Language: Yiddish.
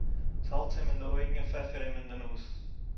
זאַלץ אים אין די אויגן און פֿעפֿער אים אין נאָז!